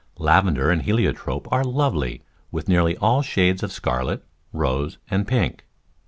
Lavender and heliotrope are lovely with nearly all shades of scarlet, rose and pink.